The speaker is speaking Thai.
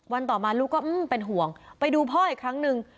ต่อมาลูกก็เป็นห่วงไปดูพ่ออีกครั้งหนึ่ง